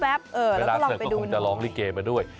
เวลาเสิร์ฟก็คงจะร้องลิเกมาด้วย